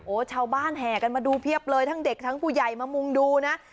ชาวบ้านแห่กันมาดูเพียบเลยทั้งเด็กทั้งผู้ใหญ่มามุ่งดูนะ